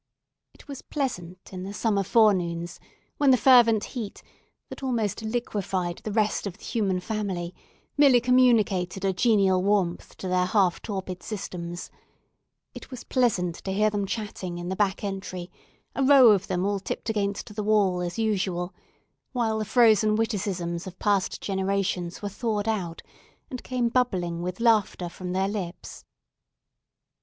It was pleasant in the summer forenoons—when the fervent heat, that almost liquefied the rest of the human family, merely communicated a genial warmth to their half torpid systems—it was pleasant to hear them chatting in the back entry, a row of them all tipped against the wall, as usual; while the frozen witticisms of past generations were thawed out, and came bubbling with laughter from their lips.